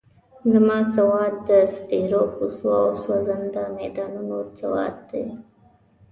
زما سواد د سپېرو کوڅو او سوځنده میدانونو سواد دی.